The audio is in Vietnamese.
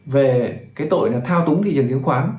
về tội thao túng thị trường chứng khoán